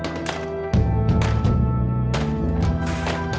jangan lupa like dan subscribe video ini